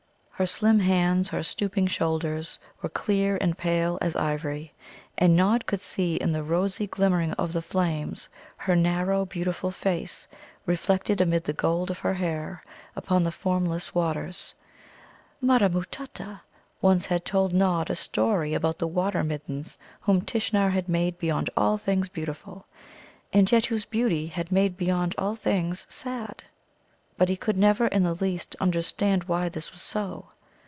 Her slim hands, her stooping shoulders, were clear and pale as ivory, and Nod could see in the rosy glimmering of the flames her narrow, beautiful face reflected amid the gold of her hair upon the formless waters. Mutta matutta once had told Nod a story about the Water middens whom Tishnar had made beyond all things beautiful, and yet whose beauty had made beyond all things sad. But he could never in the least understand why this was so.